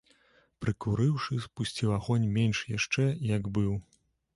Прыкурыўшы, спусціў агонь менш яшчэ, як быў.